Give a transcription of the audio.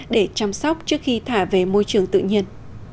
để chăm sóc trước khi thả về môi trường tự nhiên